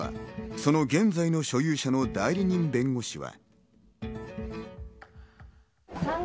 その現在の所有者の代理人弁護士は。